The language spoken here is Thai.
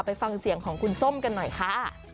ไปฟังเสียงของคุณส้มกันหน่อยค่ะ